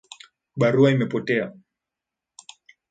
Barua imepotea